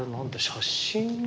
写真？